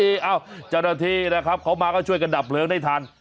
โอ้โหอ้าวเจ้าหน้าที่นะครับเขามาก็ช่วยกระดับเหลืองได้ทัน